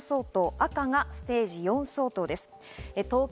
赤がステージ４相当です。